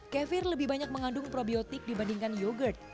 kefir lebih banyak mengandung probiotik dibandingkan yogurt